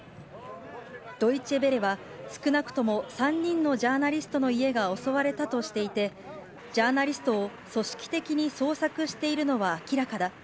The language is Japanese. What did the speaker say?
ドイチェ・ヴェレは、少なくとも３人のジャーナリストの家が襲われたとしていて、ジャーナリストを組織的に捜索しているのは明らかだ。